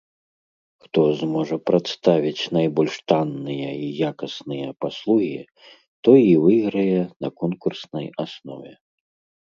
Хто зможа прадставіць найбольш танныя і якасныя паслугі, той і выйграе на конкурснай аснове.